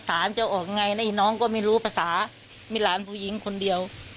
ศาลเจ้าเอาอะไรนะอีน้องก็ไม่รู้ภาษามีหลานผู้หญิงคนเดียว